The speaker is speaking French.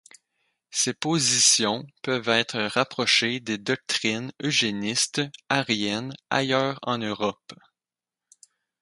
Ses positions peuvent être rapprochées des doctrines eugénistes aryennes ailleurs en Europe.